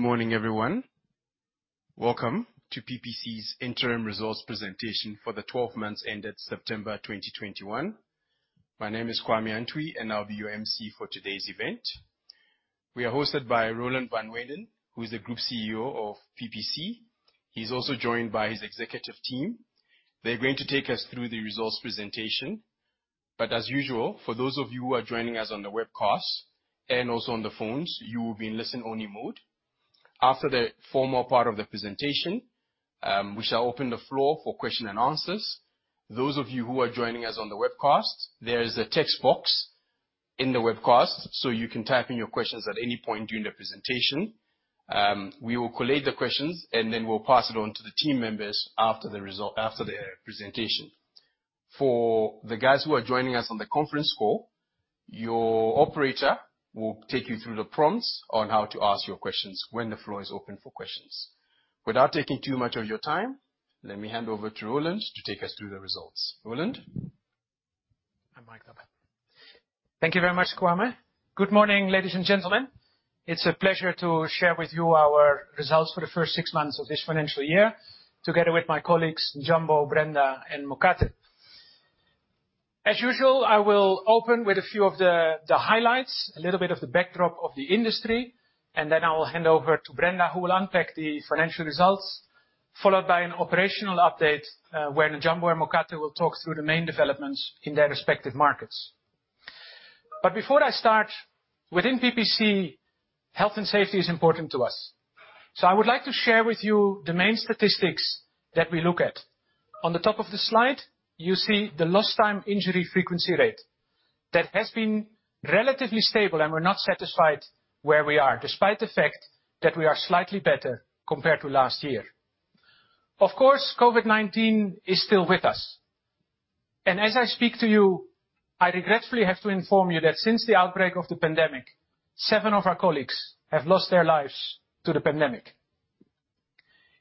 Good morning, everyone. Welcome to PPC's interim results presentation for the 12 months ended September 2021. My name is Kwame Antwi, and I'll be your MC for today's event. We are hosted by Roland van Wijnen, who is the Group CEO of PPC. He's also joined by his executive team. They're going to take us through the results presentation, but as usual, for those of you who are joining us on the webcast and also on the phones, you will be in listen-only mode. After the formal part of the presentation, we shall open the floor for question and answers. Those of you who are joining us on the webcast, there is a text box in the webcast, so you can type in your questions at any point during the presentation. We will collate the questions, and then we'll pass it on to the team members after the presentation. For the guys who are joining us on the conference call, your operator will take you through the prompts on how to ask your questions when the floor is open for questions. Without taking too much of your time, let me hand over to Roland to take us through the results. Roland? Thank you very much, Kwame. Good morning, ladies and gentlemen. It's a pleasure to share with you our results for the first six months of this financial year, together with my colleagues, Njombo, Brenda, and Mokate. As usual, I will open with a few of the highlights, a little bit of the backdrop of the industry, and then I will hand over to Brenda, who will unpack the financial results, followed by an operational update, where Njombo and Mokate will talk through the main developments in their respective markets. Before I start, within PPC, health and safety is important to us. I would like to share with you the main statistics that we look at. On the top of the slide, you see the lost time injury frequency rate. That has been relatively stable, and we're not satisfied where we are, despite the fact that we are slightly better compared to last year. Of course, COVID-19 is still with us. As I speak to you, I regretfully have to inform you that since the outbreak of the pandemic, seven of our colleagues have lost their lives to the pandemic.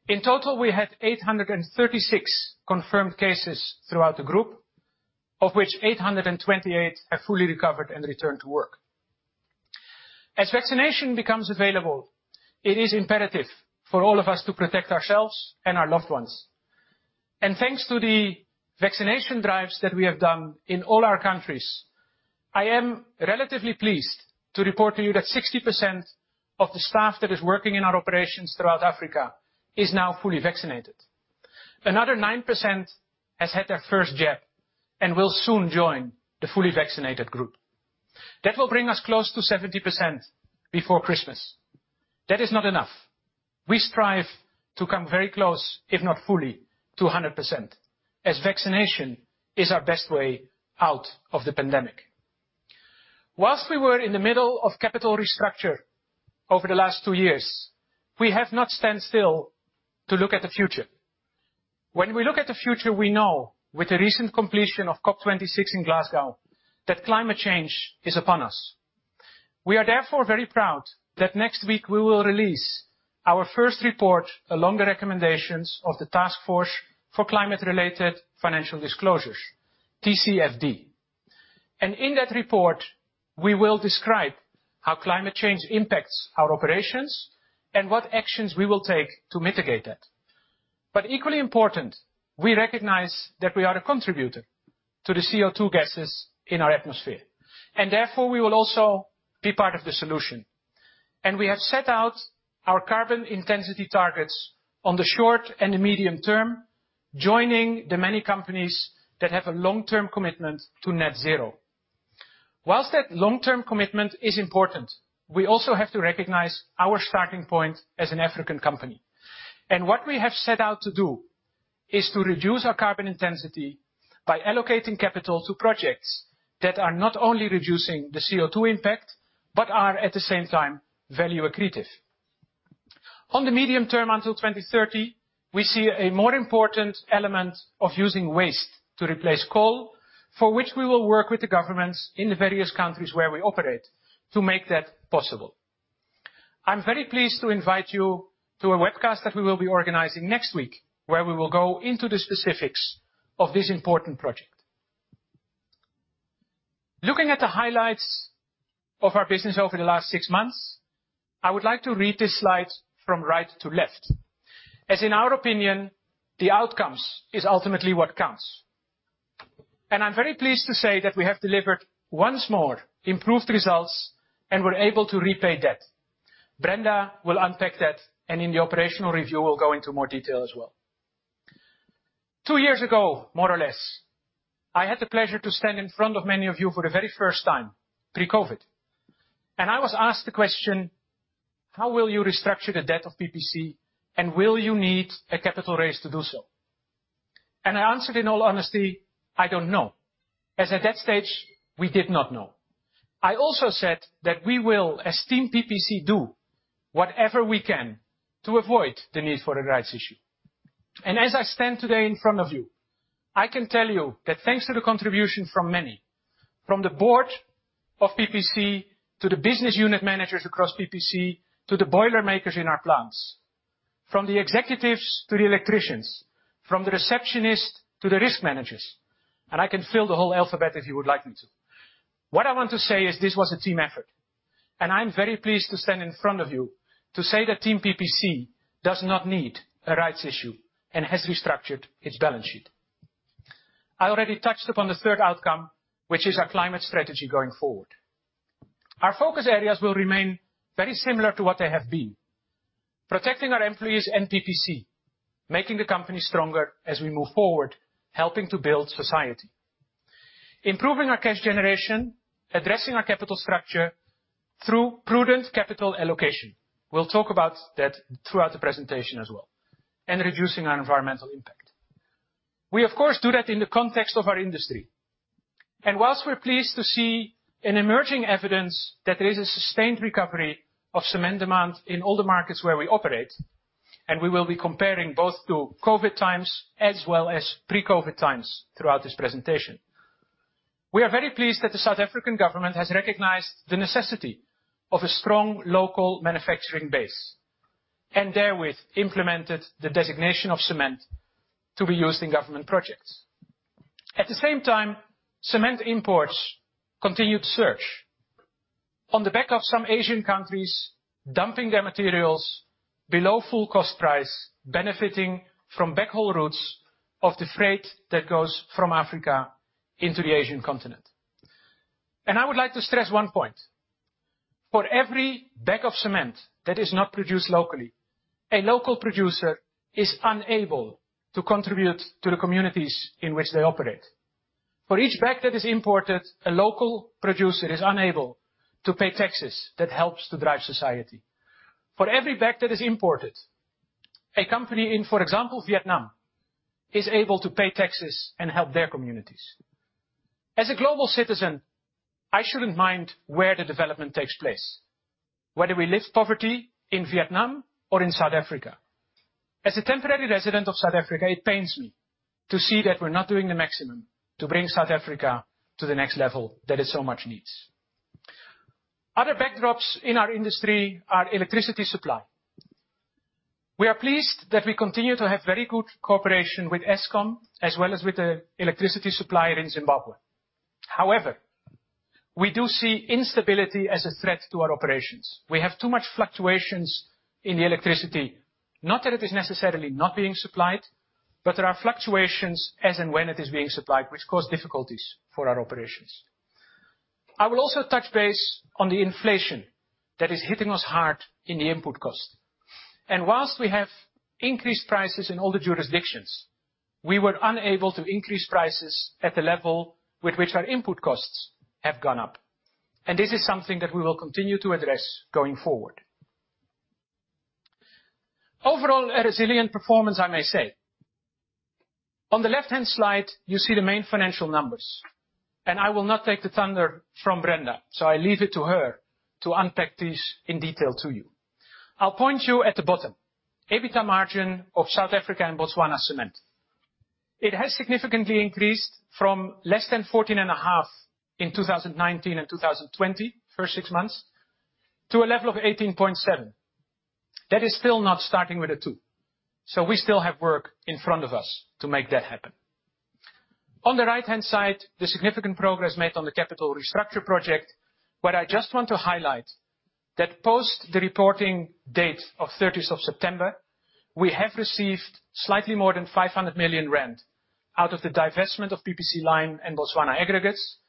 In total, we had 836 confirmed cases throughout the group, of which 828 have fully recovered and returned to work. As vaccination becomes available, it is imperative for all of us to protect ourselves and our loved ones. Thanks to the vaccination drives that we have done in all our countries, I am relatively pleased to report to you that 60% of the staff that is working in our operations throughout Africa is now fully vaccinated. Another 9% has had their first jab and will soon join the fully vaccinated group. That will bring us close to 70% before Christmas. That is not enough. We strive to come very close, if not fully, to a 100%, as vaccination is our best way out of the pandemic. While we were in the middle of capital restructure over the last two years, we have not stood still to look at the future. When we look at the future, we know with the recent completion of COP26 in Glasgow, that climate change is upon us. We are therefore very proud that next week we will release our first report along the recommendations of the Task Force for Climate-related Financial Disclosures, TCFD. In that report, we will describe how climate change impacts our operations and what actions we will take to mitigate that. Equally important, we recognize that we are a contributor to the CO₂ gases in our atmosphere, and therefore we will also be part of the solution. We have set out our carbon-intensity targets on the short and the medium term, joining the many companies that have a long-term commitment to net zero. While that long-term commitment is important, we also have to recognize our starting point as an African company. What we have set out to do is to reduce our carbon intensity by allocating capital to projects that are not only reducing the CO₂ impact, but are, at the same time, value accretive. On the medium term until 2030, we see a more important element of using waste to replace coal, for which we will work with the governments in the various countries where we operate to make that possible. I'm very pleased to invite you to a webcast that we will be organizing next week, where we will go into the specifics of this important project. Looking at the highlights of our business over the last six months, I would like to read this slide from right to left, as in our opinion, the outcomes is ultimately what counts. I'm very pleased to say that we have delivered once more improved results and were able to repay debt. Brenda will unpack that, and in the operational review, we'll go into more detail as well. Two years ago, more or less, I had the pleasure to stand in front of many of you for the very first time, pre-COVID. I was asked the question, "How will you restructure the debt of PPC, and will you need a capital raise to do so?" And I answered, in all honesty, "I don't know." As at that stage, we did not know. I also said that we will, as team PPC, do whatever we can to avoid the need for a rights issue. As I stand today in front of you, I can tell you that thanks to the contribution from many, from the board of PPC to the business unit managers across PPC, to the boiler makers in our plants. From the executives to the electricians, from the receptionist to the risk managers, and I can fill the whole alphabet if you would like me to. What I want to say is this was a team effort, and I'm very pleased to stand in front of you to say that team PPC does not need a rights issue and has restructured its balance sheet. I already touched upon the third outcome, which is our climate strategy going forward. Our focus areas will remain very similar to what they have been, protecting our employees and PPC, making the company stronger as we move forward, helping to build society, improving our cash generation, addressing our capital structure through prudent capital allocation. We'll talk about that throughout the presentation as well, and reducing our environmental impact. We, of course, do that in the context of our industry. Whilst we're pleased to see an emerging evidence that there is a sustained recovery of cement demand in all the markets where we operate, and we will be comparing both to COVID times as well as pre-COVID times throughout this presentation. We are very pleased that the South African government has recognized the necessity of a strong local manufacturing base, and therewith implemented the designation of cement to be used in government projects. At the same time, cement imports continued to surge on the back of some Asian countries dumping their materials below full cost price, benefiting from backhaul routes of the freight that goes from Africa into the Asian continent. I would like to stress one point. For every bag of cement that is not produced locally, a local producer is unable to contribute to the communities in which they operate. For each bag that is imported, a local producer is unable to pay taxes that helps to drive society. For every bag that is imported, a company in, for example, Vietnam, is able to pay taxes and help their communities. As a global citizen, I shouldn't mind where the development takes place, whether we lift poverty in Vietnam or in South Africa. As a temporary resident of South Africa, it pains me to see that we're not doing the maximum to bring South Africa to the next level that it so much needs. Other backdrops in our industry are electricity supply. We are pleased that we continue to have very good cooperation with Eskom, as well as with the electricity supplier in Zimbabwe. However, we do see instability as a threat to our operations. We have too much fluctuations in the electricity, not that it is necessarily not being supplied, but there are fluctuations as and when it is being supplied, which cause difficulties for our operations. I will also touch base on the inflation that is hitting us hard in the input cost. While we have increased prices in all the jurisdictions, we were unable to increase prices at the level with which our input costs have gone up. This is something that we will continue to address going forward. Overall, a resilient performance, I may say. On the left-hand slide, you see the main financial numbers, and I will not take the thunder from Brenda, so I leave it to her to unpack these in detail to you. I'll point you to the bottom, EBITDA margin of South Africa and Botswana Cement. It has significantly increased from less than 14.5% in 2019 and 2020 first six months to a level of 18.7%. That is still not starting with a two. We still have work in front of us to make that happen. On the right-hand side, the significant progress made on the capital-restructure project, but I just want to highlight that post the reporting date of September 30th, we have received slightly more than 500 million rand out of the divestment of PPC Lime and Botswana Aggregates,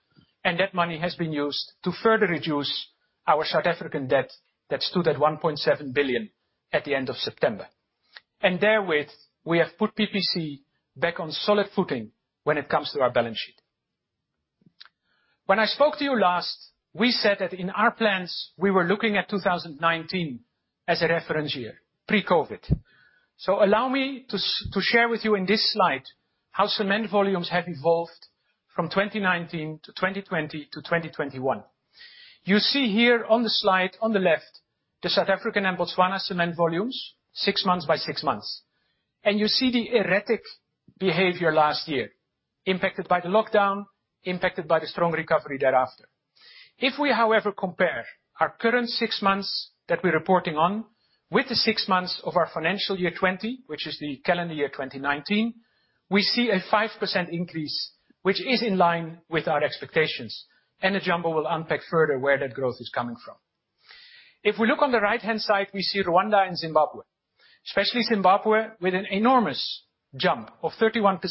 and that money has been used to further reduce our South African debt that stood at 1.7 billion at the end of September. With that, we have put PPC back on solid footing when it comes to our balance sheet. When I spoke to you last, we said that in our plans, we were looking at 2019 as a reference year, pre-COVID. Allow me to to share with you in this slide how cement volumes have evolved from 2019 to 2020 to 2021. You see here on the slide on the left, the South African and Botswana cement volumes, six months by six months. You see the erratic behavior last year, impacted by the lockdown, impacted by the strong recovery thereafter. If we, however, compare our current six months that we're reporting on with the six months of our financial year 2020, which is the calendar year 2019, we see a 5% increase, which is in line with our expectations. Njombo will unpack further where that growth is coming from. If we look on the right-hand side, we see Rwanda and Zimbabwe, especially Zimbabwe with an enormous jump of 31%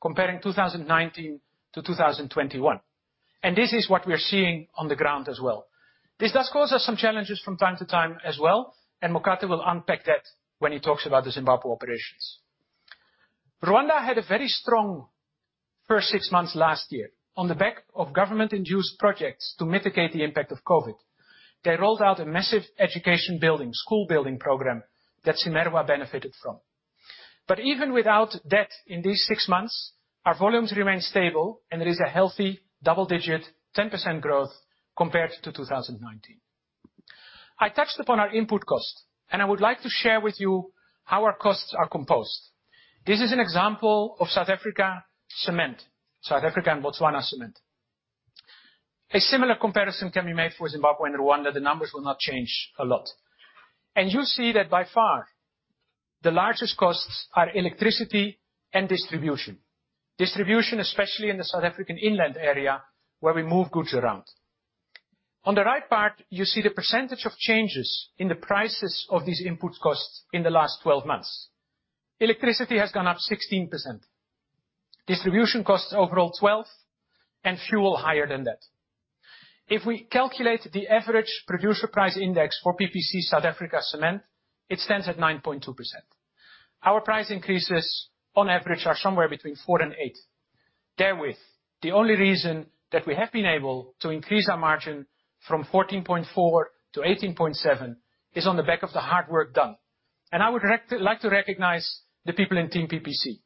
comparing 2019 to 2021. This is what we are seeing on the ground as well. This does cause us some challenges from time to time as well, and Mokate will unpack that when he talks about the Zimbabwe operations. Rwanda had a very strong first six months last year. On the back of government-induced projects to mitigate the impact of COVID, they rolled out a massive education building, school building program that CIMERWA benefited from. Even without that in these six months, our volumes remain stable and there is a healthy double-digit 10% growth compared to 2019. I touched upon our input cost, and I would like to share with you how our costs are composed. This is an example of South African Cement, South African and Botswana Cement. A similar comparison can be made for Zimbabwe and Rwanda. The numbers will not change a lot. You see that by far, the largest costs are electricity and distribution, especially in the South African inland area, where we move goods around. On the right part, you see the percentage of changes in the prices of these input costs in the last 12 months. Electricity has gone up 16%. Distribution costs overall 12%, and fuel higher than that. If we calculate the average producer price index for PPC South African Cement, it stands at 9.2%. Our price increases on average are somewhere between 4% and 8%. Therewith, the only reason that we have been able to increase our margin from 14.4% to 18.7% is on the back of the hard work done. I would like to recognize the people in Team PPC.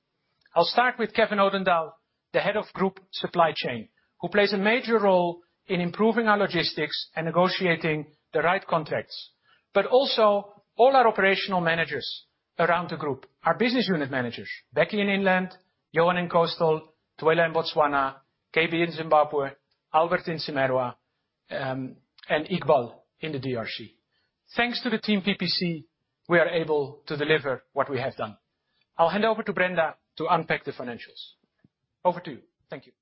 I'll start with Kevin Odendaal, Head of Group Supply Chain, who plays a major role in improving our logistics and negotiating the right contracts. Also all our operational managers around the group, our business unit managers, Bheki in Inland, Johan in Coastal, Tuelo in Botswana, KB in Zimbabwe, Albert in Zimbabwe, and Iqbal in the DRC. Thanks to Team PPC, we are able to deliver what we have done. I'll hand over to Brenda to unpack the financials. Over to you. Thank you.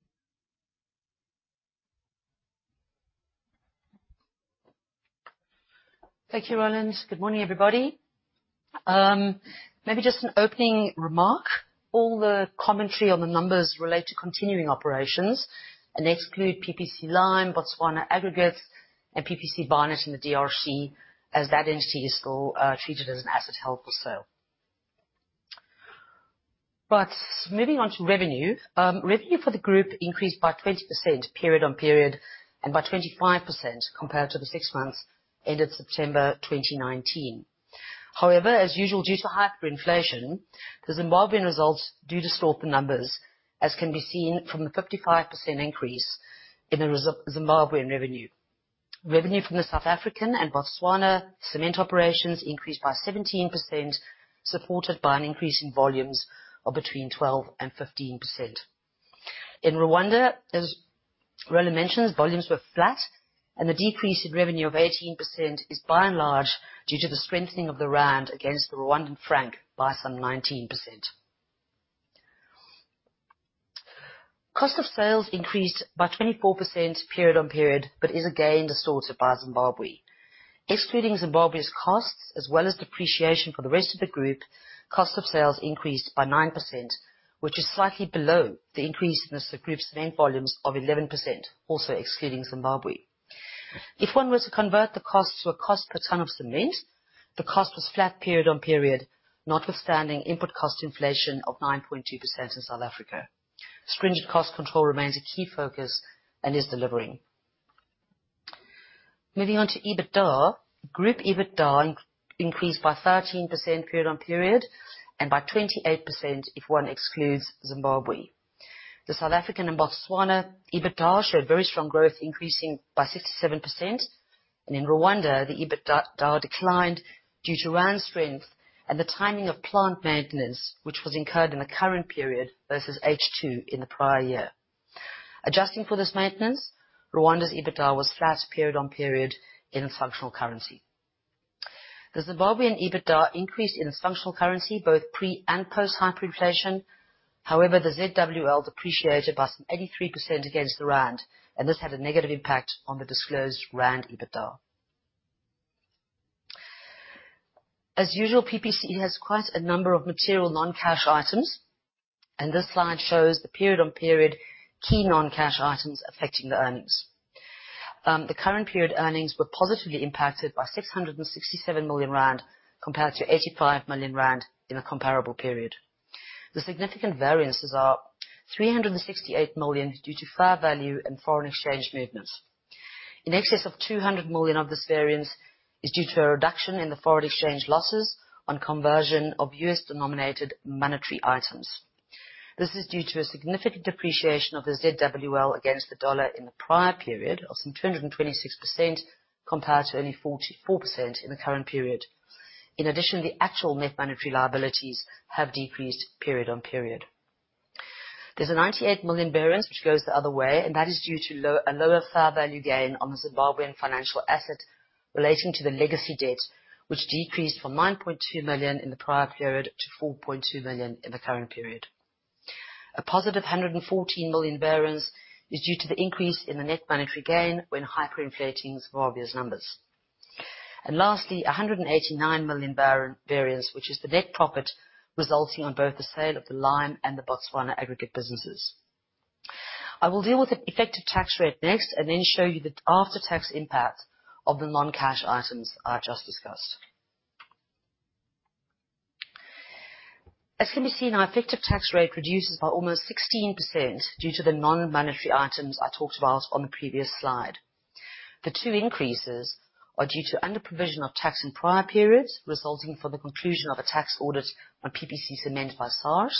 Thank you, Roland. Good morning, everybody. Maybe just an opening remark. All the commentary on the numbers relate to continuing operations and exclude PPC Lime, Botswana Aggregates, and PPC Barnet DRC, as that entity is still treated as an asset held for sale. Moving on to revenue. Revenue for the group increased by 20% period-on-period and by 25% compared to the six months ended September 2019. However, as usual, due to hyperinflation, the Zimbabwean results do distort the numbers, as can be seen from the 55% increase in Zimbabwean revenue. Revenue from the South African and Botswana Cement operations increased by 17%, supported by an increase in volumes of between 12% and 15%. In Rwanda, as Roland mentioned, volumes were flat, and the decrease in revenue of 18% is by and large, due to the strengthening of the rand against the Rwandan franc by some 19%. Cost of sales increased by 24% period-on-period, but is again distorted by Zimbabwe. Excluding Zimbabwe's costs as well as depreciation for the rest of the group, cost of sales increased by 9%, which is slightly below the increase in the group's main volumes of 11%, also excluding Zimbabwe. If one were to convert the costs to a cost per ton of cement, the cost was flat period-on-period, notwithstanding input-cost inflation of 9.2% in South Africa. Stringent cost control remains a key focus and is delivering. Moving on to EBITDA. Group EBITDA increased by 13% period-on-period and by 28% if one excludes Zimbabwe. The South African and Botswana EBITDA showed very strong growth, increasing by 67%, and in Rwanda, the EBITDA declined due to rand strength and the timing of plant maintenance, which was incurred in the current period versus H2 in the prior year. Adjusting for this maintenance, Rwanda's EBITDA was flat period-on-period in its functional currency. The Zimbabwean EBITDA increased in its functional currency, both pre and post hyperinflation. However, the ZWL depreciated by some 83% against the rand, and this had a negative impact on the disclosed rand EBITDA. As usual, PPC has quite a number of material non-cash items, and this slide shows the period-on-period key non-cash items affecting the earnings. The current period earnings were positively impacted by 667 million rand compared to 85 million rand in a comparable period. The significant variances are 368 million due to fair value and foreign exchange movements. In excess of 200 million of this variance is due to a reduction in the foreign exchange losses on conversion of U.S.-denominated monetary items. This is due to a significant depreciation of the ZWL against the dollar in the prior period of some 226%, compared to only 44% in the current period. In addition, the actual net monetary liabilities have decreased period-on-period. There's a 98 million variance which goes the other way, and that is due to a lower fair value gain on the Zimbabwe financial asset relating to the legacy debt, which decreased from 9.2 million in the prior period to 4.2 million in the current period. A +114 million variance is due to the increase in the net monetary gain when hyperinflating Zimbabwe's numbers. Lastly, a 189 million variance, which is the net profit resulting on both the sale of the lime and the Botswana Aggregates businesses. I will deal with the effective tax rate next and then show you the after-tax impact of the non-cash items I just discussed. As can be seen, our effective tax rate reduces by almost 16% due to the non-monetary items I talked about on the previous slide. The two increases are due to underprovision of tax in prior periods, resulting from the conclusion of a tax audit on PPC Cement by SARS.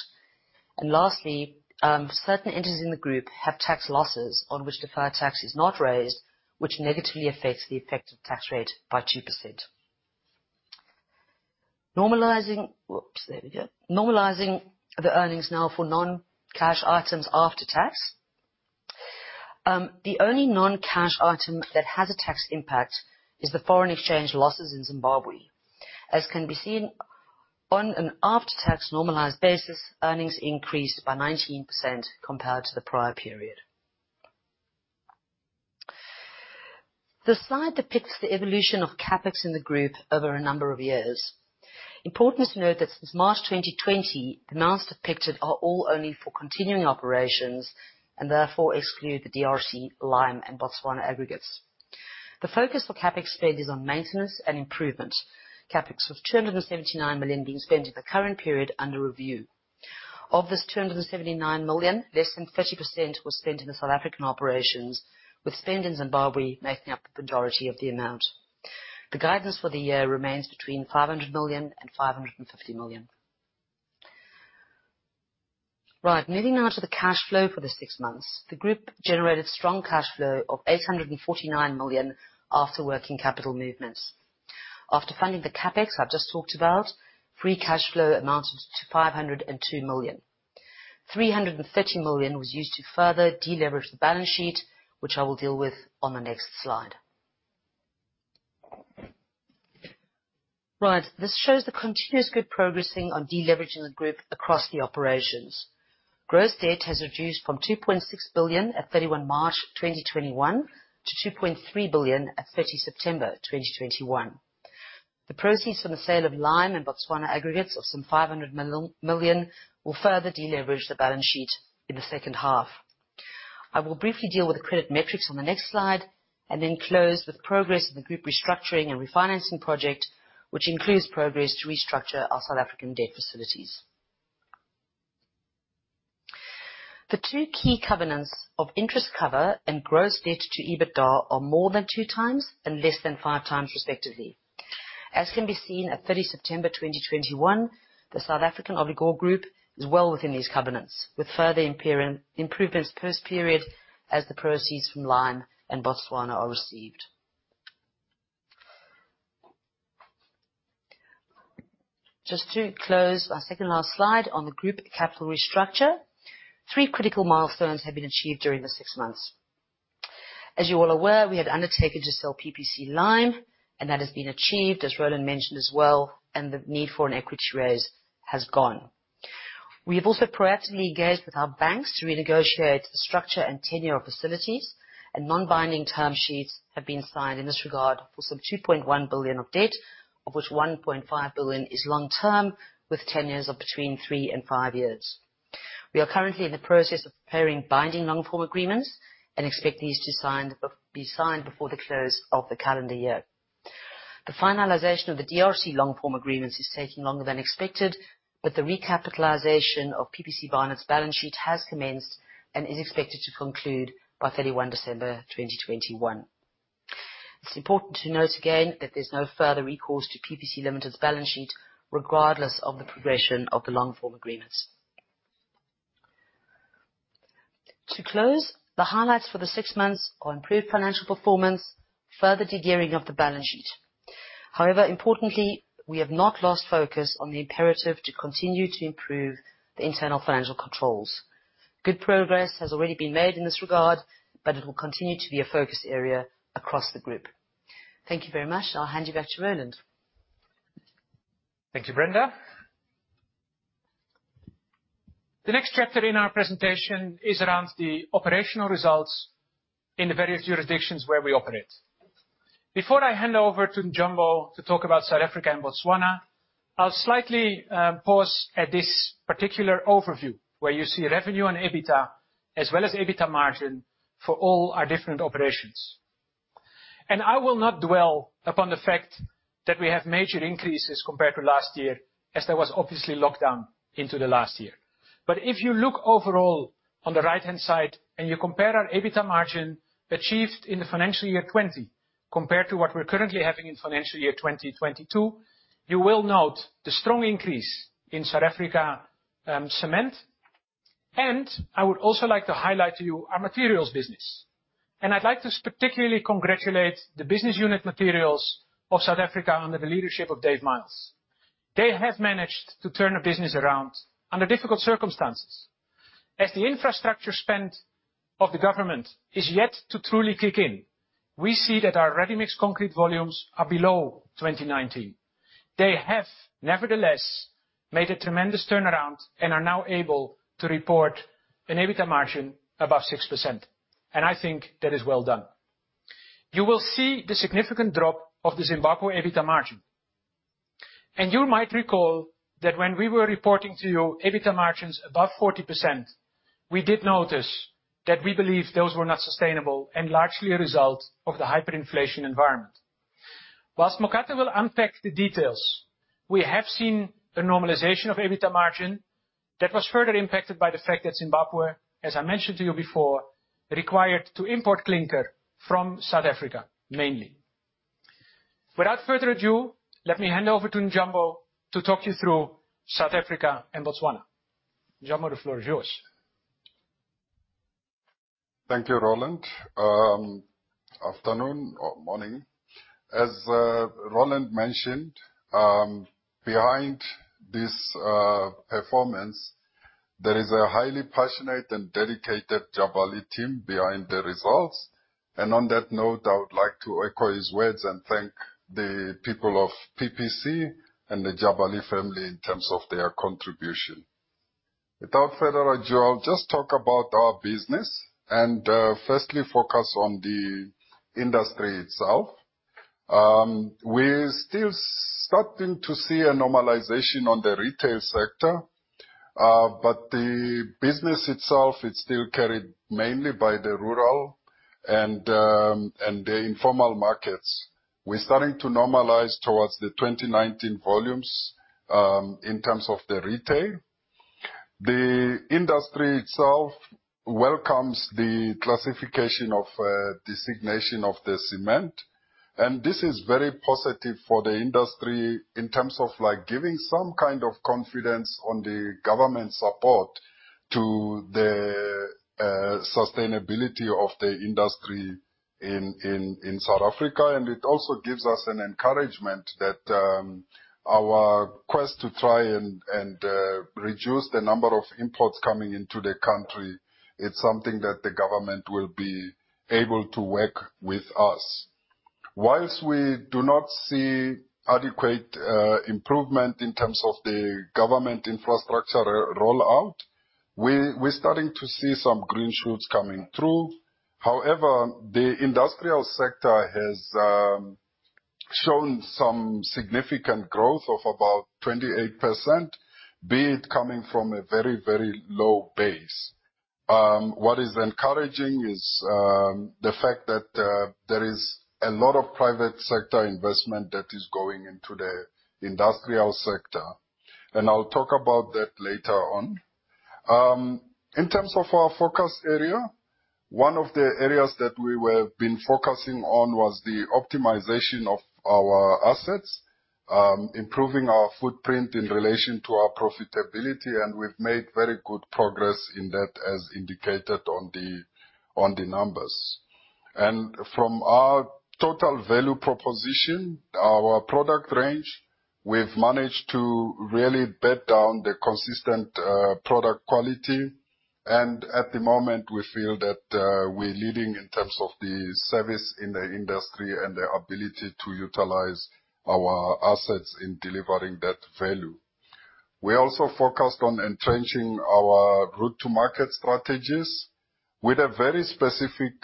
Lastly, certain entities in the group have tax losses on which deferred tax is not raised, which negatively affects the effective tax rate by 2%. Normalizing the earnings now for non-cash items after tax. The only non-cash item that has a tax impact is the foreign exchange losses in Zimbabwe. As can be seen on an after-tax normalized basis, earnings increased by 19% compared to the prior period. The slide depicts the evolution of CapEx in the group over a number of years. Important to note that since March 2020, the amounts depicted are all only for continuing operations and therefore exclude the DRC, Lime, and Botswana Aggregates. The focus for CapEx spend is on maintenance and improvement. CapEx of 279 million being spent in the current period under review. Of this 279 million, less than 30% was spent in the South African operations, with spend in Zimbabwe making up the majority of the amount. The guidance for the year remains between 500 million and 550 million. Right, moving now to the cash flow for the six months. The group generated strong cash flow of 849 million after working-capital movements. After funding the CapEx I've just talked about, free cash flow amounted to 502 million. 330 million was used to further deleverage the balance sheet, which I will deal with on the next slide. Right, this shows the continuous good progressing on deleveraging the group across the operations. Gross debt has reduced from 2.6 billion at March 31 2021 to 2.3 billion at September 30 2021. The proceeds from the sale of PPC Lime and Botswana Aggregates of some 500 million will further deleverage the balance sheet in the second half. I will briefly deal with the credit metrics on the next slide, and then close with progress of the group restructuring and refinancing project, which includes progress to restructure our South African debt facilities. The two key covenants of interest cover and gross debt to EBITDA are more than 2x and less than 5x, respectively. As can be seen at September 30 2021, the South African Obligor group is well within these covenants, with further improvements post-period as the proceeds from PPC Lime and Botswana Aggregates are received. Just to close our second last slide on the group capital restructure. Three critical milestones have been achieved during the six months. As you're all aware, we have undertaken to sell PPC Lime, and that has been achieved, as Roland mentioned as well, and the need for an equity raise has gone. We have also proactively engaged with our banks to renegotiate the structure and tenure of facilities, and non-binding term sheets have been signed in this regard for some 2.1 billion of debt, of which 1.5 billion is long-term, with tenures of between three and five years. We are currently in the process of preparing binding long-form agreements and expect these to be signed before the close of the calendar year. The finalization of the DRC long-form agreements is taking longer than expected, but the recapitalization of PPC Lime's balance sheet has commenced and is expected to conclude by December 31 2021. It's important to note again that there's no further recourse to PPC Limited's balance sheet, regardless of the progression of the long-form agreements. To close, the highlights for the six months are improved financial performance, further de-gearing of the balance sheet. However, importantly, we have not lost focus on the imperative to continue to improve the internal financial controls. Good progress has already been made in this regard, but it will continue to be a focus area across the group. Thank you very much. I'll hand you back to Roland. Thank you, Brenda. The next chapter in our presentation is around the operational results in the various jurisdictions where we operate. Before I hand over to Njombo to talk about South Africa and Botswana, I'll slightly pause at this particular overview, where you see revenue and EBITDA, as well as EBITDA margin for all our different operations. I will not dwell upon the fact that we have major increases compared to last year, as there was obviously lockdown into the last year. If you look overall on the right-hand side, and you compare our EBITDA margin achieved in the financial year 2020 compared to what we're currently having in financial year 2022, you will note the strong increase in South Africa cement. I would also like to highlight to you our materials business. I'd like to particularly congratulate the Materials Business Unit of South Africa under the leadership of Dave Miles. They have managed to turn the business around under difficult circumstances. As the infrastructure spend of the government is yet to truly kick in, we see that our ready-mix concrete volumes are below 2019. They have, nevertheless, made a tremendous turnaround and are now able to report an EBITDA margin above 6%, and I think that is well done. You will see the significant drop of the Zimbabwe EBITDA margin. You might recall that when we were reporting to you EBITDA margins above 40%, we did notice that we believe those were not sustainable and largely a result of the hyperinflation environment. While Mokate will unpack the details, we have seen the normalization of EBITDA margin that was further impacted by the fact that Zimbabwe, as I mentioned to you before, required to import clinker from South Africa, mainly. Without further ado, let me hand over to Njombo to talk you through South Africa and Botswana. Njombo, the floor is yours. Thank you, Roland. Afternoon or morning. As Roland mentioned, behind this performance, there is a highly passionate and dedicated Jabali team behind the results. On that note, I would like to echo his words and thank the people of PPC and the Jabali family in terms of their contribution. Without further ado, I'll just talk about our business and, firstly focus on the industry itself. We're still starting to see a normalization on the retail sector, but the business itself is still carried mainly by the rural and the informal markets. We're starting to normalize towards the 2019 volumes, in terms of the retail. The industry itself welcomes the classification of designation of the cement, and this is very positive for the industry in terms of, like, giving some kind of confidence on the government support to the sustainability of the industry in South Africa. It also gives us an encouragement that our quest to try and reduce the number of imports coming into the country, it's something that the government will be able to work with us. While we do not see adequate improvement in terms of the government infrastructure rollout, we're starting to see some green shoots coming through. However, the industrial sector has shown some significant growth of about 28%, be it coming from a very low base. What is encouraging is the fact that there is a lot of private-sector investment that is going into the industrial sector, and I'll talk about that later on. In terms of our focus area, one of the areas that we have been focusing on was the optimization of our assets, improving our footprint in relation to our profitability, and we've made very good progress in that, as indicated on the numbers. From our total value proposition, our product range, we've managed to really bed down the consistent product quality. At the moment, we feel that we're leading in terms of the service in the industry and the ability to utilize our assets in delivering that value. We also focused on entrenching our route-to-market strategies with a very specific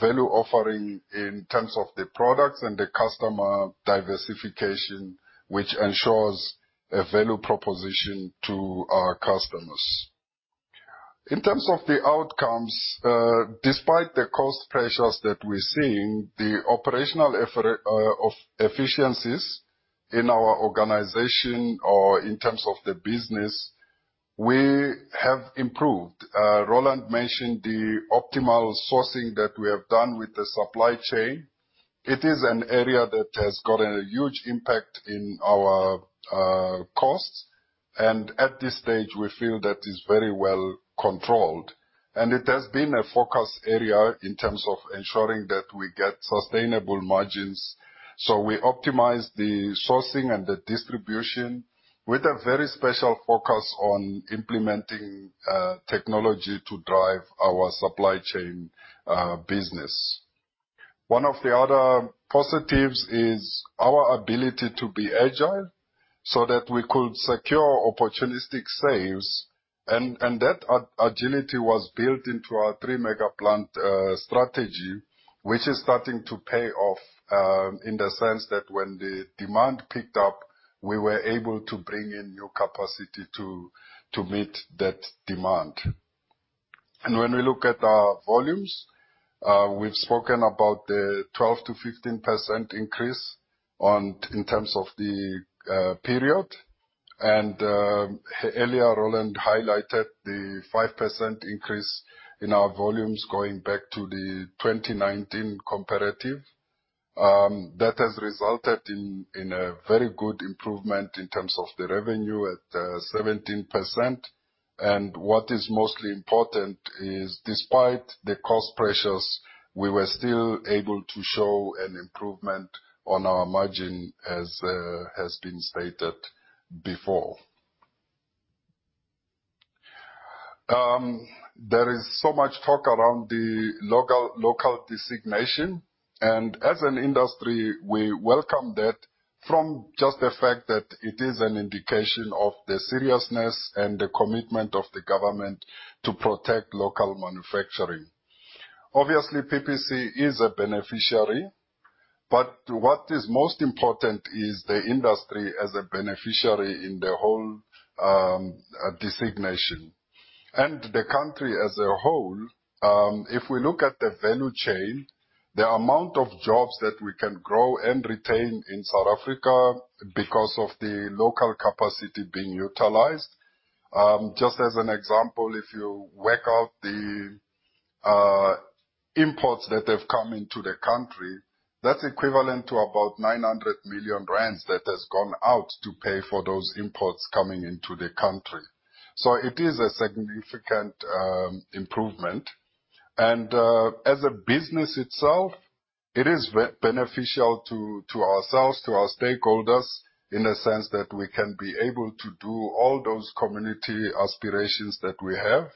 value offering in terms of the products and the customer diversification, which ensures a value proposition to our customers. In terms of the outcomes, despite the cost pressures that we're seeing, the operational efficiencies in our organization or in terms of the business, we have improved. Roland mentioned the optimal sourcing that we have done with the supply chain. It is an area that has gotten a huge impact in our costs. At this stage, we feel that is very well controlled. It has been a focus area in terms of ensuring that we get sustainable margins, so we optimize the sourcing and the distribution with a very special focus on implementing technology to drive our supply-chain business. One of the other positives is our ability to be agile so that we could secure opportunistic saves. That agility was built into our Three Mega Plant strategy, which is starting to pay off in the sense that when the demand picked up, we were able to bring in new capacity to meet that demand. When we look at our volumes, we've spoken about the 12%-15% increase in terms of the period. Earlier, Roland highlighted the 5% increase in our volumes going back to the 2019 comparative. That has resulted in a very good improvement in terms of the revenue at 17%. What is most important is, despite the cost pressures, we were still able to show an improvement on our margin as has been stated before. There is so much talk around the local designation. As an industry, we welcome that from just the fact that it is an indication of the seriousness and the commitment of the government to protect local manufacturing. Obviously, PPC is a beneficiary, but what is most important is the industry as a beneficiary in the whole, designation and the country as a whole. If we look at the value chain, the amount of jobs that we can grow and retain in South Africa because of the local capacity being utilized. Just as an example, if you work out the imports that have come into the country. That's equivalent to about 900 million rand that has gone out to pay for those imports coming into the country. It is a significant improvement. As a business itself, it is beneficial to ourselves, to our stakeholders, in a sense that we can be able to do all those community aspirations that we have.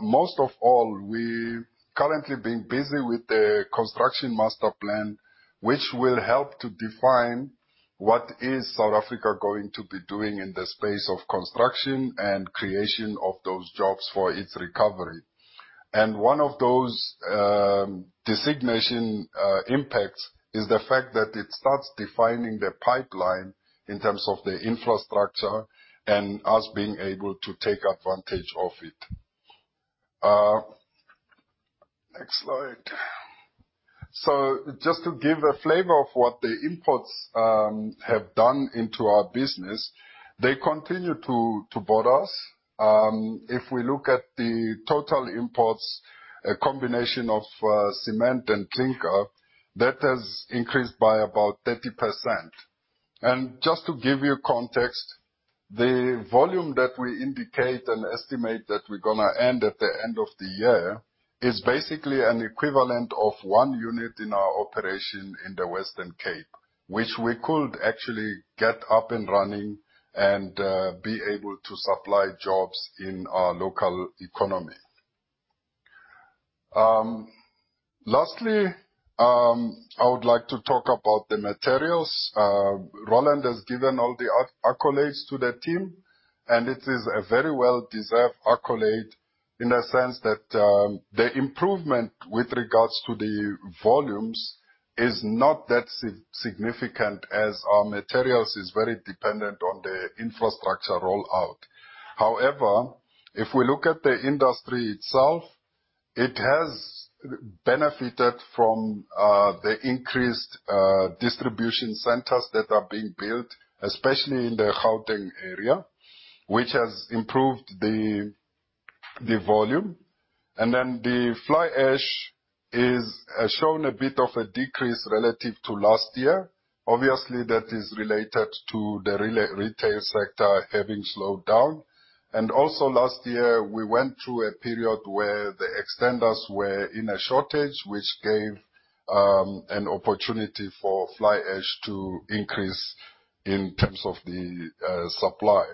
Most of all, we've currently been busy with the Construction Master Plan, which will help to define what South Africa is going to be doing in the space of construction and creation of those jobs for its recovery. One of those designation impacts is the fact that it starts defining the pipeline in terms of the infrastructure and us being able to take advantage of it. Next slide. Just to give a flavor of what the imports have done to our business, they continue to bother us. If we look at the total imports, a combination of cement and clinker, that has increased by about 30%. Just to give you context, the volume that we indicate and estimate that we're gonna end at the end of the year is basically an equivalent of one unit in our operation in the Western Cape, which we could actually get up and running and be able to supply jobs in our local economy. Lastly, I would like to talk about the materials. Roland has given all the accolades to the team, and it is a very well-deserved accolade in a sense that the improvement with regards to the volumes is not that significant as our materials is very dependent on the infrastructure rollout. However, if we look at the industry itself, it has benefited from the increased distribution centers that are being built, especially in the Gauteng area, which has improved the volume. The fly ash has shown a bit of a decrease relative to last year. Obviously, that is related to the retail sector having slowed down. Also last year, we went through a period where the extenders were in a shortage, which gave an opportunity for fly ash to increase in terms of the supply.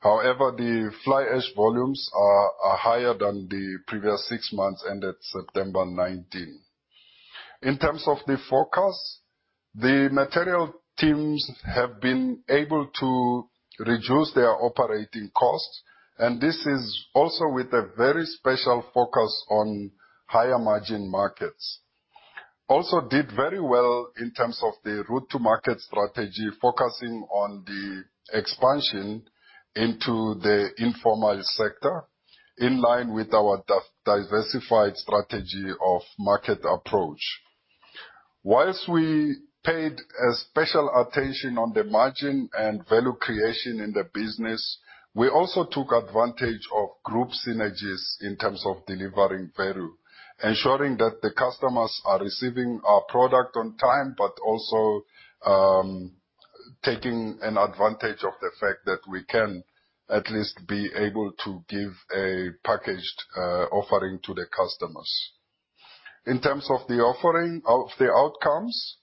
However, the fly ash volumes are higher than the previous six months ended September 2019. In terms of the forecast, the material teams have been able to reduce their operating costs, and this is also with a very special focus on higher margin markets. Also did very well in terms of the route-to-market strategy, focusing on the expansion into the informal sector, in line with our diversified strategy of market approach. While we paid special attention on the margin and value creation in the business, we also took advantage of group synergies in terms of delivering value, ensuring that the customers are receiving our product on time, but also taking advantage of the fact that we can at least be able to give a packaged offering to the customers. In terms of the outcomes,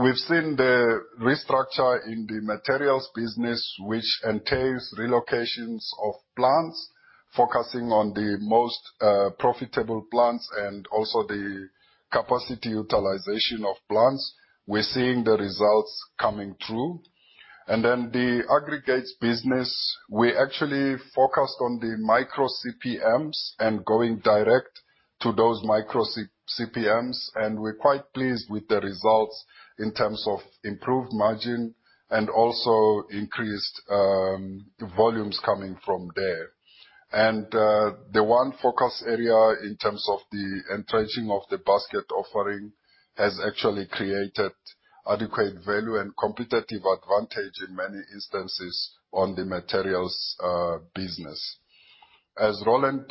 we've seen the restructure in the materials business, which entails relocations of plants, focusing on the most profitable plants and also the capacity utilization of plants. We're seeing the results coming through. The aggregates business, we actually focused on the micro-RMPs and going direct to those micro-RMPs, and we're quite pleased with the results in terms of improved margin and also increased volumes coming from there. The one focus area in terms of the entrenching of the basket offering has actually created adequate value and competitive advantage in many instances on the materials business. As Roland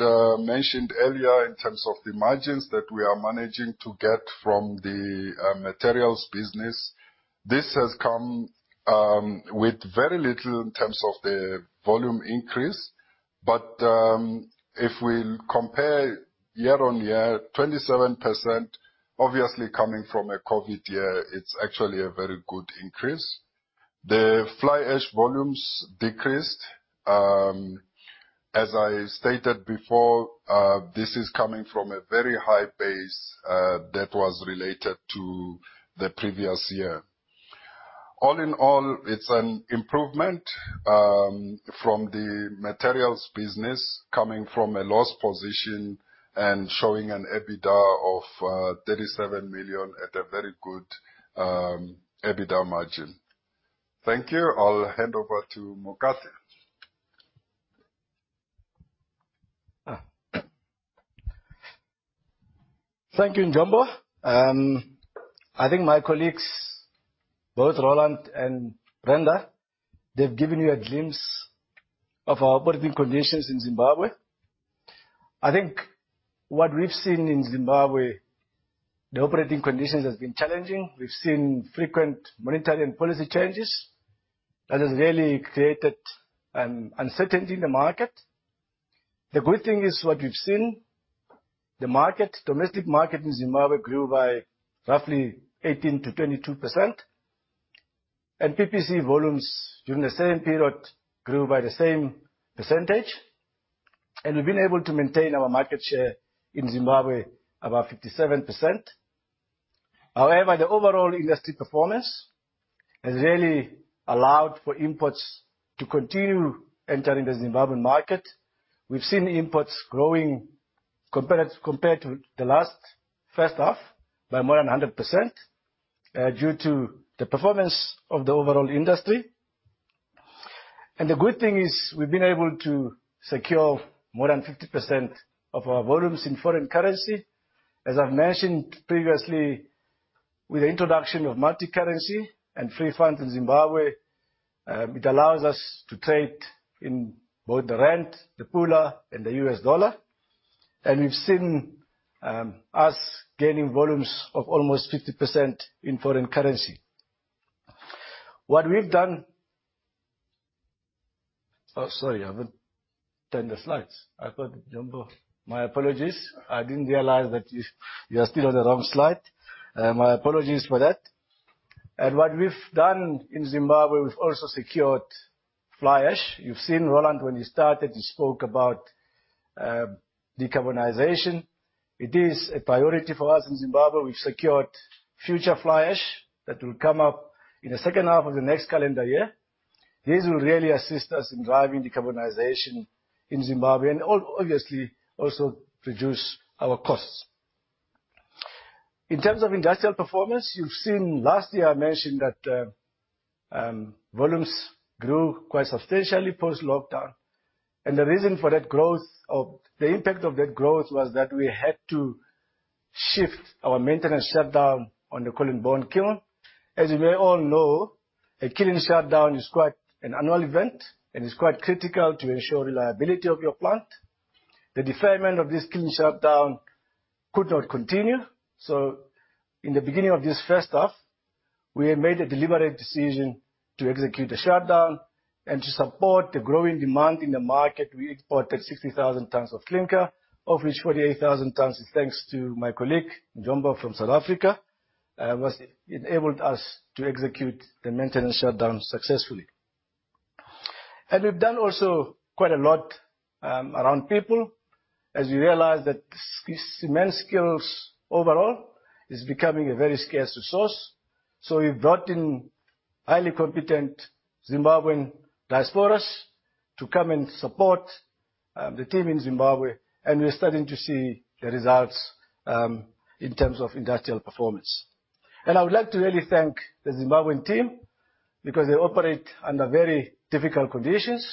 mentioned earlier, in terms of the margins that we are managing to get from the materials business, this has come with very little in terms of the volume increase. If we compare year-on-year, 27% obviously coming from a COVID year, it's actually a very good increase. The fly ash volumes decreased. This is coming from a very high base that was related to the previous year. All in all, it's an improvement from the materials business coming from a loss position and showing an EBITDA of 37 million at a very good EBITDA margin. Thank you. I'll hand over to Mokate. Thank you, Njombo. I think my colleagues, both Roland and Brenda, they've given you a glimpse of our operating conditions in Zimbabwe. I think what we've seen in Zimbabwe, the operating conditions has been challenging. We've seen frequent monetary and policy changes that has really created uncertainty in the market. The good thing is what we've seen, the market, domestic market in Zimbabwe grew by roughly 18%-22%, and PPC volumes during the same period grew by the same percentage, and we've been able to maintain our market share in Zimbabwe above 57%. However, the overall industry performance has really allowed for imports to continue entering the Zimbabwean market. We've seen imports growing compared to the last first half by more than 100%, due to the performance of the overall industry. The good thing is we've been able to secure more than 50% of our volumes in foreign currency. As I've mentioned previously, with the introduction of multicurrency and free funds in Zimbabwe, it allows us to trade in both the rand, the pula, and the U.S. dollar. We've seen us gaining volumes of almost 50% in foreign currency. What we've done. Oh, sorry, I haven't turned the slides. I thought, Njombo. My apologies. I didn't realize that you are still on the wrong slide. My apologies for that. What we've done in Zimbabwe, we've also secured fly ash. You've seen Roland, when he started, he spoke about decarbonization. It is a priority for us in Zimbabwe. We've secured future fly ash that will come up in the second half of the next calendar year. This will really assist us in driving decarbonization in Zimbabwe and obviously also reduce our costs. In terms of industrial performance, you've seen last year I mentioned that volumes grew quite substantially post-lockdown. The reason for that growth or the impact of that growth was that we had to shift our maintenance shutdown on the Colleen Bawn Kiln. As you may all know, a kiln shutdown is quite an annual event and is quite critical to ensure reliability of your plant. The deferment of this kiln shutdown could not continue, so in the beginning of this first half, we made a deliberate decision to execute a shutdown. To support the growing demand in the market, we exported 60,000 tons of clinker, of which 48,000 tons, thanks to my colleague, Njombo from South Africa, enabled us to execute the maintenance shutdown successfully. We've done also quite a lot around people as we realize that cement skills overall is becoming a very scarce resource. We've brought in highly competent Zimbabwean diasporas to come and support the team in Zimbabwe, and we're starting to see the results in terms of industrial performance. I would like to really thank the Zimbabwean team because they operate under very difficult conditions,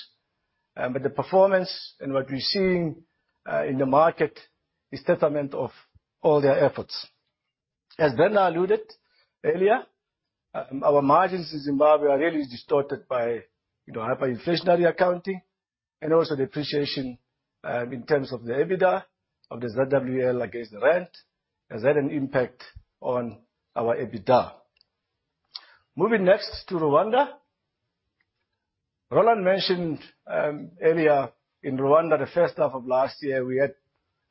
but the performance and what we're seeing in the market is testament of all their efforts. As Brenda alluded earlier, our margins in Zimbabwe are really distorted by, you know, hyperinflationary accounting and also depreciation of the ZWL against the rand has had an impact on our EBITDA. Moving next to Rwanda. Roland mentioned earlier in Rwanda, the first half of last year, we had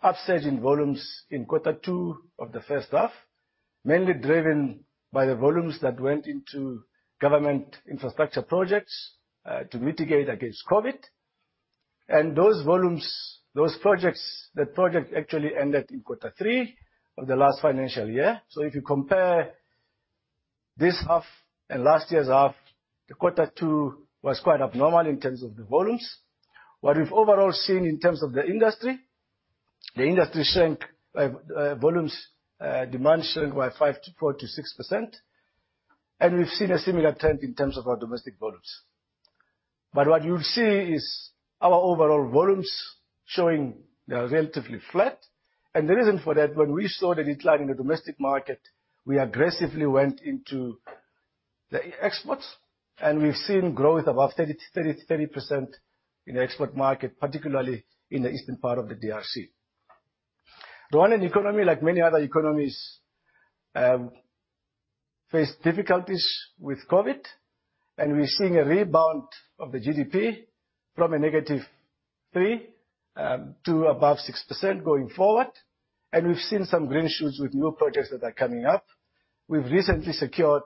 upsurge in volumes in quarter two of the first half, mainly driven by the volumes that went into government infrastructure projects to mitigate against COVID. Those volumes, those projects, that project actually ended in quarter three of the last financial year. If you compare this half and last year's half, quarter two was quite abnormal in terms of the volumes. What we've overall seen in terms of the industry, the industry volumes demand shrank by 4%-6%, and we've seen a similar trend in terms of our domestic volumes. What you'll see is our overall volumes showing they are relatively flat. The reason for that, when we saw the decline in the domestic market, we aggressively went into the exports, and we've seen growth above 30% in the export market, particularly in the eastern part of the DRC. Rwandan economy, like many other economies, faced difficulties with COVID, and we're seeing a rebound of the GDP from -3% to above 6% going forward. We've seen some green shoots with new projects that are coming up. We've recently secured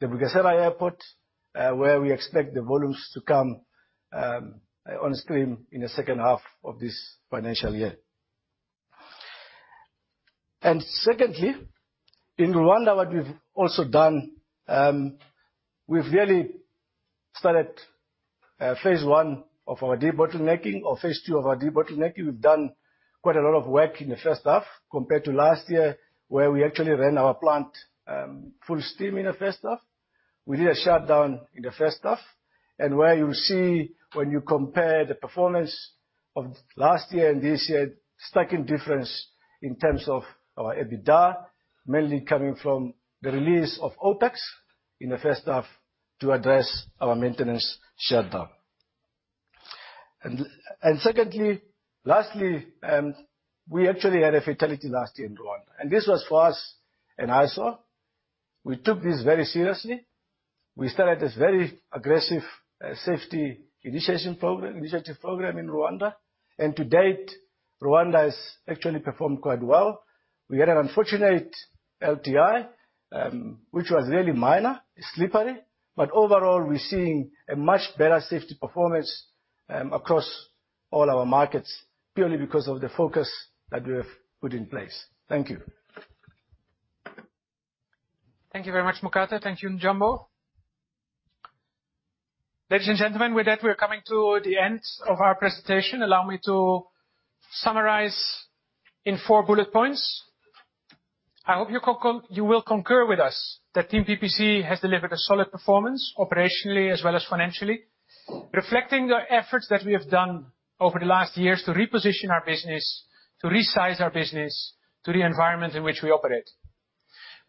the Bugesera Airport, where we expect the volumes to come on stream in the second half of this financial year. Secondly, in Rwanda, what we've also done, we've really started phase one of our debottlenecking or phase two of our debottlenecking. We've done quite a lot of work in the first half compared to last year, where we actually ran our plant full steam in the first half. We did a shutdown in the first half. Where you see when you compare the performance of last year and this year, striking difference in terms of our EBITDA, mainly coming from the release of OpEx in the first half to address our maintenance shutdown. Secondly, lastly, we actually had a fatality last year in Rwanda, and this was for us an eyesore. We took this very seriously. We started this very aggressive safety initiative program in Rwanda. To date, Rwanda has actually performed quite well. We had an unfortunate LTI, which was really minor, slippery. Overall, we're seeing a much better safety performance across all our markets purely because of the focus that we have put in place. Thank you. Thank you very much, Mokate. Thank you, Njombo. Ladies and gentlemen, with that, we are coming to the end of our presentation. Allow me to summarize in four bullet points. I hope you will concur with us that Team PPC has delivered a solid performance operationally as well as financially, reflecting the efforts that we have done over the last years to reposition our business, to resize our business to the environment in which we operate.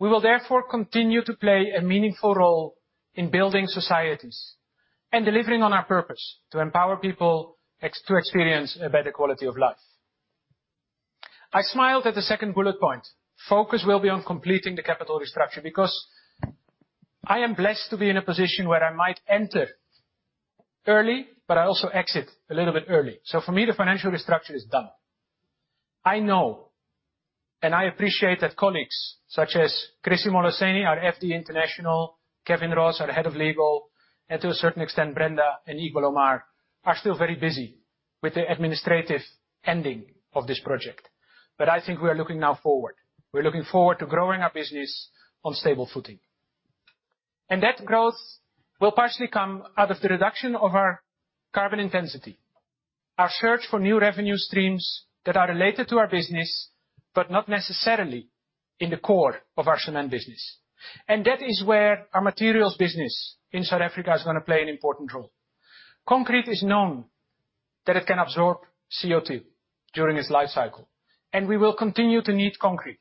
We will therefore continue to play a meaningful role in building societies and delivering on our purpose: to empower people to experience a better quality of life. I smiled at the second bullet point. Focus will be on completing the capital restructure because I am blessed to be in a position where I might enter early, but I also exit a little bit early. For me, the financial restructure is done. I know, and I appreciate that colleagues such as Chrissie Moloseni, our CFO International, Kevin Ross, our Head of Legal, and to a certain extent, Brenda and Igor Omar, are still very busy with the administrative ending of this project. I think we are looking now forward. We're looking forward to growing our business on stable footing. That growth will partially come out of the reduction of our carbon intensity, our search for new revenue streams that are related to our business, but not necessarily in the core of our cement business. That is where our materials business in South Africa is gonna play an important role. Concrete is known that it can absorb CO2 during its life cycle, and we will continue to need concrete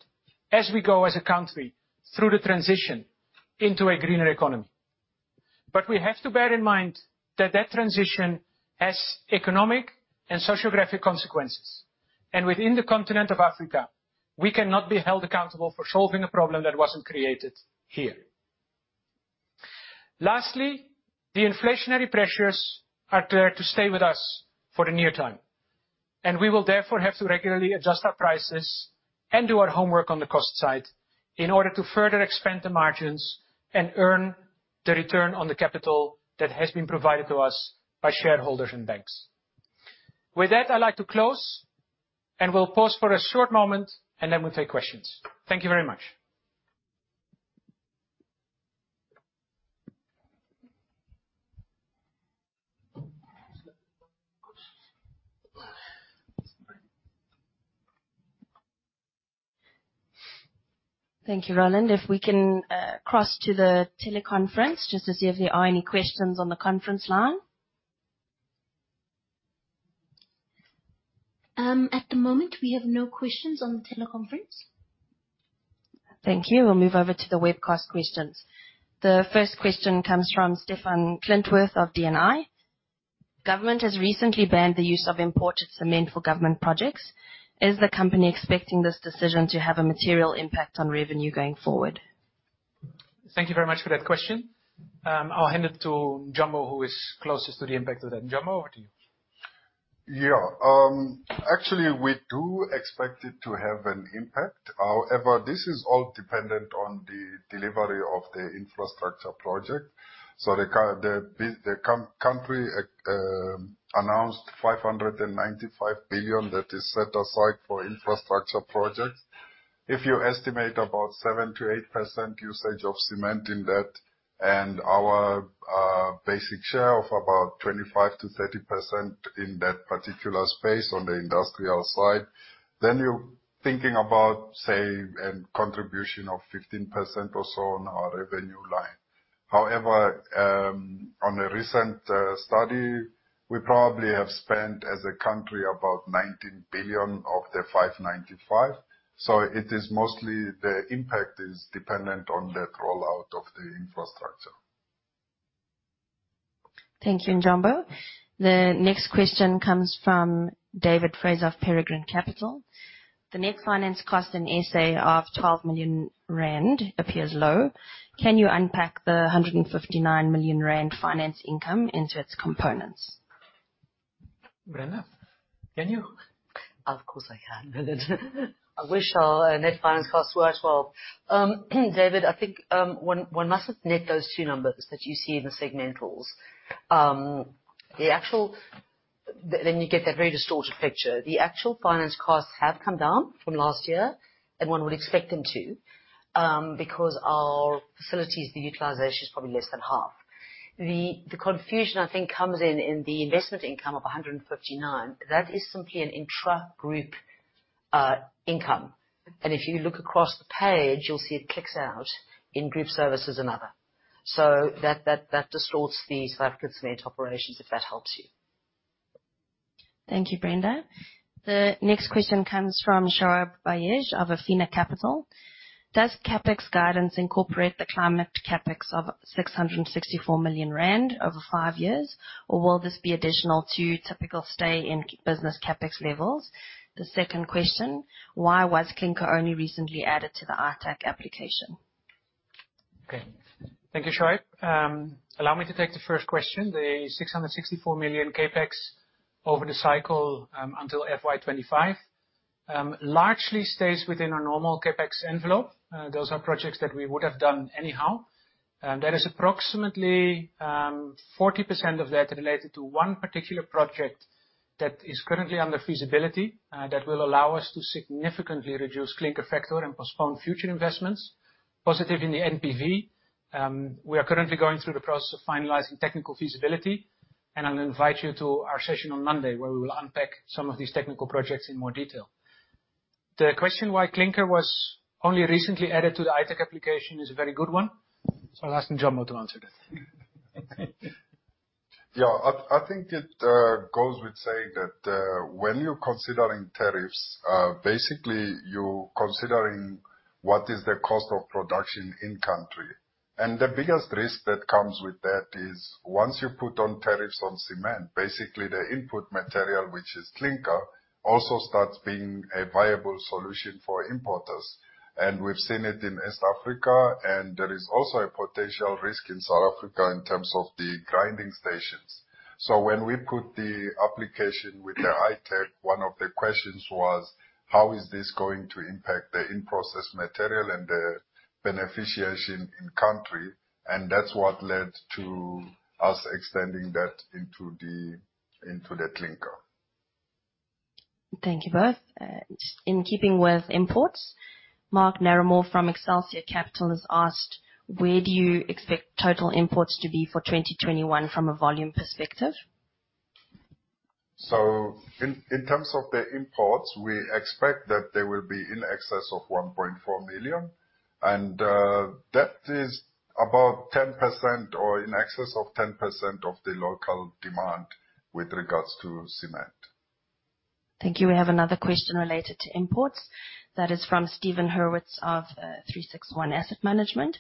as we go as a country through the transition into a greener economy. We have to bear in mind that that transition has economic and socio-economic consequences. Within the continent of Africa, we cannot be held accountable for solving a problem that wasn't created here. Lastly, the inflationary pressures are there to stay with us for the near time, and we will therefore have to regularly adjust our prices and do our homework on the cost side in order to further expand the margins and earn the return on the capital that has been provided to us by shareholders and banks. With that, I'd like to close, and we'll pause for a short moment, and then we'll take questions. Thank you very much. Thank you, Roland. If we can cross to the teleconference just to see if there are any questions on the conference line. At the moment, we have no questions on the teleconference. Thank you. We'll move over to the webcast questions. The first question comes from Stefan Clintworth of DNI. Government has recently banned the use of imported cement for government projects. Is the company expecting this decision to have a material impact on revenue going forward? Thank you very much for that question. I'll hand it to Njombo, who is closest to the impact of that. Njombo, over to you. Yeah. Actually, we do expect it to have an impact. However, this is all dependent on the delivery of the infrastructure project. The country announced 595 billion that is set aside for infrastructure projects. If you estimate about 7%-8% usage of cement in that and our basic share of about 25%-30% in that particular space on the industrial side, then you're thinking about, say, a contribution of 15% or so on our revenue line. However, on a recent study, we probably have spent, as a country, about 19 billion of the 595 billion. It is mostly the impact is dependent on that rollout of the infrastructure. Thank you, Njombo. The next question comes from David Fraser of Peregrine Capital. The net finance cost in SA of 12 million rand appears low. Can you unpack the 159 million rand finance income into its components? Brenda, can you? Of course I can, Roland. I wish our net finance costs were as well. David, I think one mustn't net those two numbers that you see in the segmentals. Then you get that very distorted picture. The actual finance costs have come down from last year, and one would expect them to because our facilities, the utilization is probably less than half. The confusion I think comes in in the investment income of 159 million. That is simply an intra-group income. If you look across the page, you'll see it clicks out in group services and other. That distorts the South African Cement operations, if that helps you. Thank you, Brenda. The next question comes from Shoaib Vayej of Afena Capital. Does CapEx guidance incorporate the climate CapEx of 664 million rand over five years? Or will this be additional to typical stay-in-business CapEx levels? The second question, why was clinker only recently added to the ITAC application? Okay. Thank you, Shoaib. Allow me to take the first question. The 664 million CapEx over the cycle until FY 2025 largely stays within our normal CapEx envelope. Those are projects that we would have done anyhow. There is approximately 40% of that related to one particular project that is currently under feasibility, that will allow us to significantly reduce clinker factor and postpone future investments. Positive in the NPV. We are currently going through the process of finalizing technical feasibility, and I'll invite you to our session on Monday where we will unpack some of these technical projects in more detail. The question why clinker was only recently added to the ITAC application is a very good one, so I'll ask Njombo to answer that. I think it goes without saying that when you're considering tariffs, basically you're considering what is the cost of production in country. The biggest risk that comes with that is once you put on tariffs on cement, basically the input material, which is clinker, also starts being a viable solution for importers. We've seen it in East Africa, and there is also a potential risk in South Africa in terms of the grinding stations. When we put the application with the ITAC, one of the questions was, how is this going to impact the in-process material and the beneficiation in country? That's what led to us extending that into the clinker. Thank you both. Just in keeping with imports, Mark Neramore from Excelsior Capital has asked, where do you expect total imports to be for 2021 from a volume perspective? In terms of the imports, we expect that they will be in excess of 1.4 million tons, and that is about 10% or in excess of 10% of the local demand with regards to cement. Thank you. We have another question related to imports. That is from Stephen Hurwitz of 36ONE Asset Management.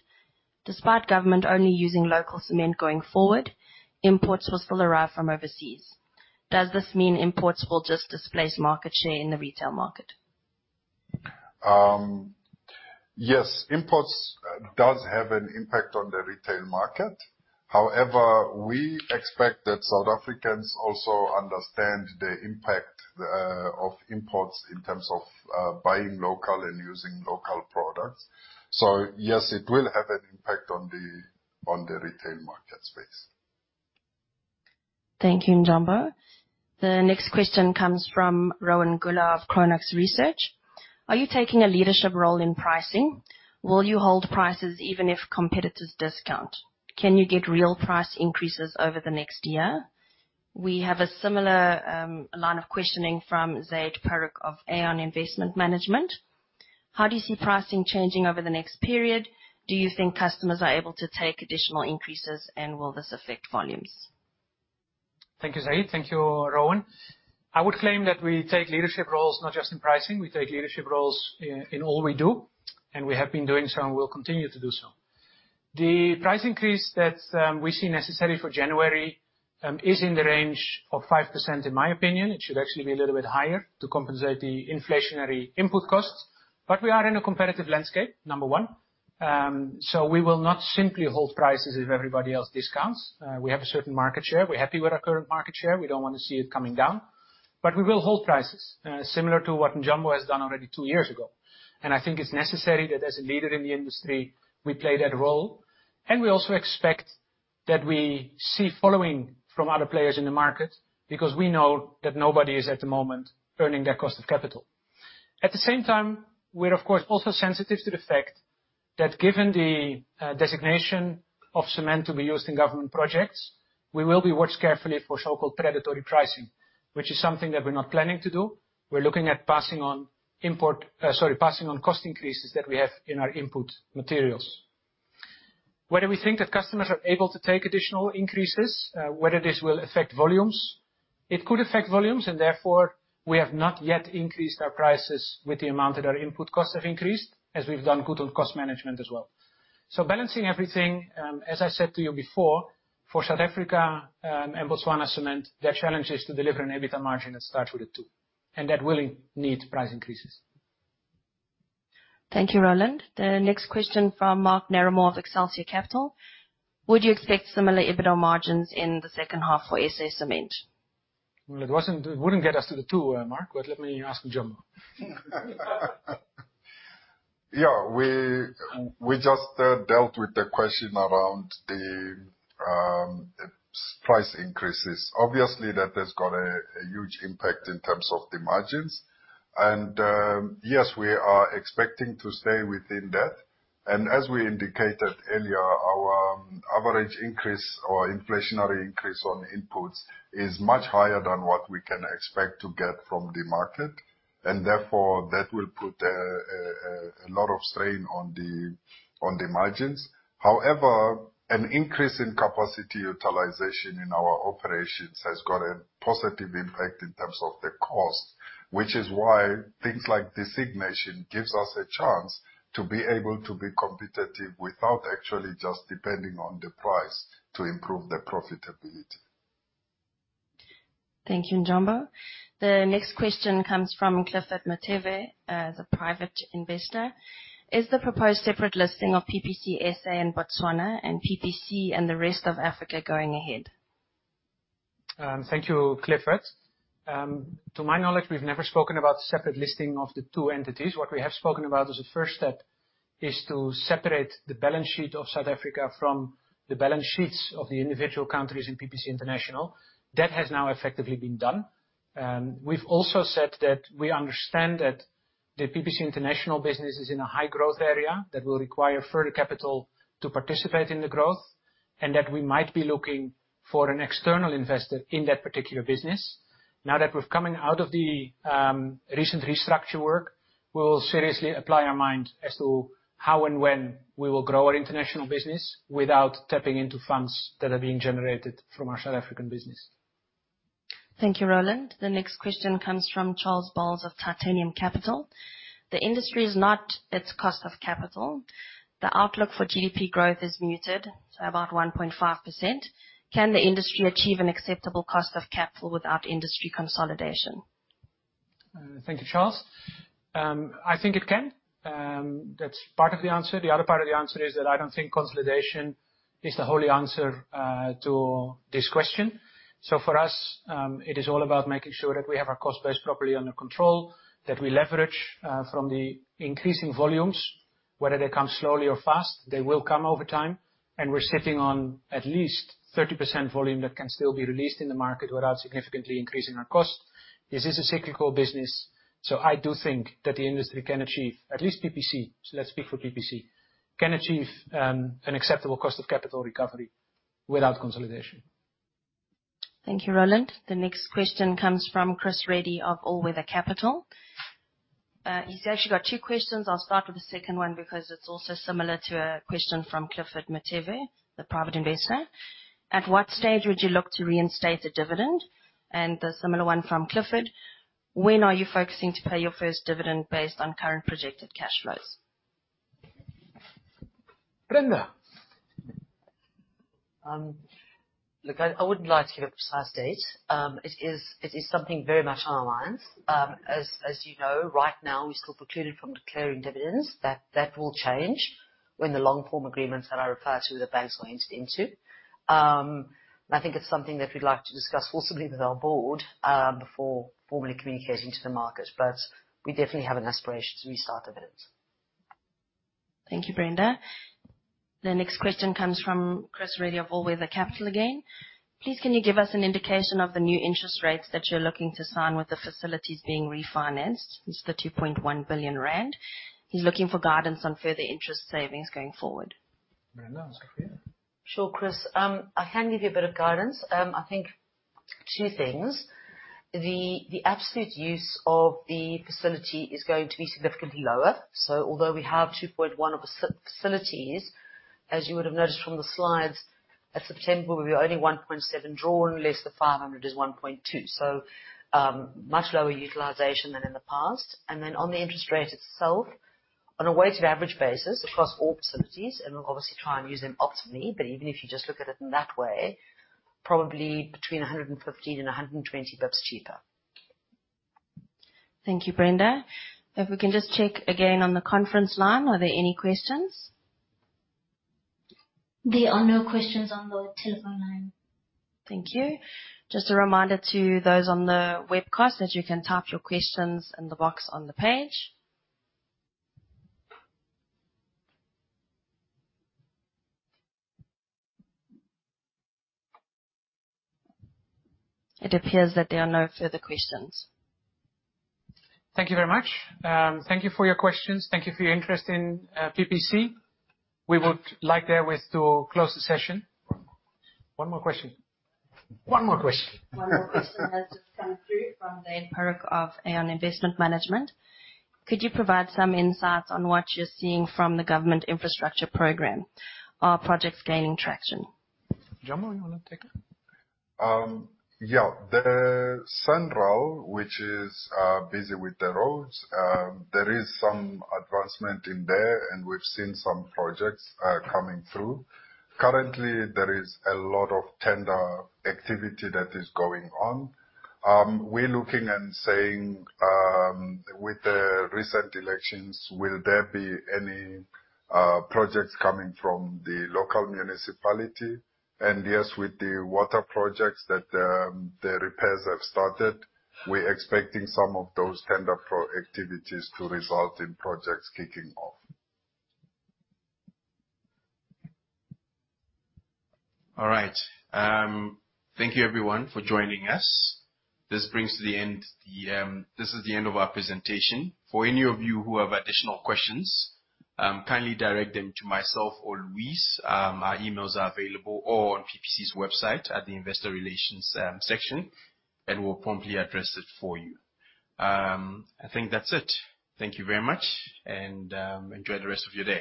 Despite government only using local cement going forward, imports will still arrive from overseas. Does this mean imports will just displace market share in the retail market? Yes, imports does have an impact on the retail market. However, we expect that South Africans also understand the impact of imports in terms of buying local and using local products. Yes, it will have an impact on the retail market space. Thank you, Njombo. The next question comes from Rohan Gula of Cronax Research. Are you taking a leadership role in pricing? Will you hold prices even if competitors discount? Can you get real price increases over the next year? We have a similar line of questioning from Zaid Paruk of Aeon Investment Management. How do you see pricing changing over the next period? Do you think customers are able to take additional increases, and will this affect volumes? Thank you, Zayd. Thank you, Rohan. I would claim that we take leadership roles not just in pricing. We take leadership roles in all we do, and we have been doing so and will continue to do so. The price increase that we see necessary for January is in the range of 5%. In my opinion, it should actually be a little bit higher to compensate the inflationary input costs. We are in a competitive landscape, number one, so we will not simply hold prices if everybody else discounts. We have a certain market share. We're happy with our current market share. We don't wanna see it coming down. We will hold prices, similar to what Njombo has done already two years ago. I think it's necessary that as a leader in the industry, we play that role. We also expect that we see following from other players in the market because we know that nobody is, at the moment, earning their cost of capital. At the same time, we're of course, also sensitive to the fact that given the designation of cement to be used in government projects, we will be watched carefully for so-called predatory pricing, which is something that we're not planning to do. We're looking at passing on cost increases that we have in our input materials. Whether we think that customers are able to take additional increases, whether this will affect volumes, it could affect volumes and therefore we have not yet increased our prices with the amount that our input costs have increased, as we've done good on cost management as well. Balancing everything, as I said to you before, for South Africa and Botswana Cement, their challenge is to deliver an EBITDA margin that starts with a two, and that will need price increases. Thank you, Roland. The next question from Mark Neramore of Excelsior Capital. Would you expect similar EBITDA margins in the second half for SA Cement? Well, it wouldn't get us to the two, Mark, but let me ask Njombo. We just dealt with the question around the selling-price increases. Obviously, that has got a huge impact in terms of the margins, and yes, we are expecting to stay within that. As we indicated earlier, our average increase or inflationary increase on inputs is much higher than what we can expect to get from the market. Therefore, that will put a lot of strain on the margins. However, an increase in capacity utilization in our operations has got a positive impact in terms of the cost. Which is why things like designation gives us a chance to be able to be competitive without actually just depending on the price to improve the profitability. Thank you, Njombo. The next question comes from Clifford Mateve, the private investor. Is the proposed separate listing of PPC SA in Botswana and PPC and the rest of Africa going ahead? Thank you, Clifford. To my knowledge, we've never spoken about separate listing of the two entities. What we have spoken about as a first step is to separate the balance sheet of South Africa from the balance sheets of the individual countries in PPC International. That has now effectively been done. We've also said that we understand that the PPC International business is in a high growth area that will require further capital to participate in the growth, and that we might be looking for an external investor in that particular business. Now that we're coming out of the recent restructure work, we'll seriously apply our mind as to how and when we will grow our international business without tapping into funds that are being generated from our South African business. Thank you, Roland. The next question comes from Charles Boles of Titanium Capital. The industry is not at its cost of capital. The outlook for GDP growth is muted, so about 1.5%. Can the industry achieve an acceptable cost of capital without industry consolidation? Thank you, Charles. I think it can. That's part of the answer. The other part of the answer is that I don't think consolidation is the holy answer to this question. For us, it is all about making sure that we have our cost base properly under control, that we leverage from the increasing volumes. Whether they come slowly or fast, they will come over time, and we're sitting on at least 30% volume that can still be released in the market without significantly increasing our cost. This is a cyclical business, so I do think that the industry can achieve at least PPC. Let's speak for PPC, can achieve an acceptable cost of capital recovery without consolidation. Thank you, Roland. The next question comes from Chris Reddy of All Weather Capital. He's actually got two questions. I'll start with the second one because it's also similar to a question from Clifford Mateve, the private investor. At what stage would you look to reinstate the dividend? And the similar one from Clifford, when are you focusing to pay your first dividend based on current projected cash flows? Brenda. I wouldn't like to give a precise date. It is something very much on our minds. As you know, right now, we're still precluded from declaring dividends. That will change when the long-form agreements that I referred to with the banks are entered into. I think it's something that we'd like to discuss possibly with our board before formally communicating to the market. We definitely have an aspiration to restart dividends. Thank you, Brenda. The next question comes from Chris Reddy of All Weather Capital again. Please, can you give us an indication of the new interest rates that you're looking to sign with the facilities being refinanced? It's the 2.1 billion rand. He's looking for guidance on further interest savings going forward. Brenda, it's for you. Sure, Chris. I can give you a bit of guidance. I think two things. The absolute use of the facility is going to be significantly lower. Although we have 2.1 billion of the sub-facilities, as you would have noticed from the slides, at September, we were only 1.7 billion drawn, less the 500 million is 1.2 billion. Much lower utilization than in the past. On the interest rate itself, on a weighted average basis across all facilities, and we'll obviously try and use them optimally, but even if you just look at it in that way, probably between 115 and 120 basis points cheaper. Thank you, Brenda. If we can just check again on the conference line, are there any questions? There are no questions on the telephone line. Thank you. Just a reminder to those on the webcast that you can type your questions in the box on the page. It appears that there are no further questions. Thank you very much. Thank you for your questions. Thank you for your interest in PPC. We would like therewith to close the session. One more question. One more question has just come through from Zaid Paruk of Aeon Investment Management. Could you provide some insights on what you're seeing from the government infrastructure program? Are projects gaining traction? Njombo, you wanna take it? Yeah. The SANRAL, which is busy with the roads, there is some advancement in there, and we've seen some projects coming through. Currently, there is a lot of tender activity that is going on. We're looking and saying, with the recent elections, will there be any projects coming from the local municipality? Yes, with the water projects that the repairs have started, we're expecting some of those tender activities to result in projects kicking off. All right. Thank you everyone for joining us. This is the end of our presentation. For any of you who have additional questions, kindly direct them to myself or Louise. Our emails are available on PPC's website at the Investor Relations section, and we'll promptly address it for you. I think that's it. Thank you very much and enjoy the rest of your day.